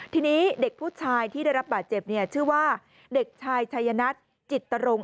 ทีนี้เด็กผู้ชายที่ได้รับบาดเจ็บชื่อว่าเด็กชายชัยนัทจิตตรง